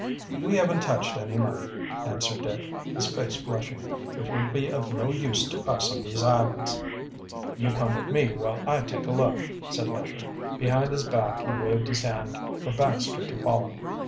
"We haven't touched any money," answered Dick, his face flushing. "It would be of no use to us on these islands." "You come with me while I take a look," said Lesher. Behind his back he waved his hand for Baxter to follow.